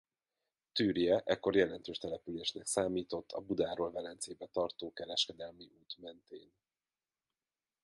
Türje ekkor jelentős településnek számított a Budáról Velencébe tartó kereskedelmi út mentén.